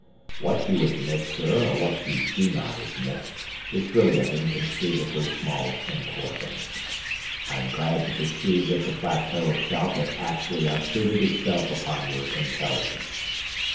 "What you admit, sir, or what you do not admit, is really of inconceivably small importance. I am glad to perceive that the plateau itself has actually obtruded itself upon your intelligence."